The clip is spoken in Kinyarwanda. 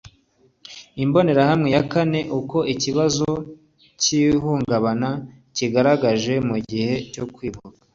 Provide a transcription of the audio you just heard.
Imbonerahamwe ya kane Uko ikibazo cy ihungabana cyigaragaje mu gihe cyo kwibuka